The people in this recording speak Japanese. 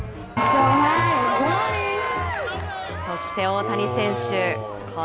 そして、大谷選手。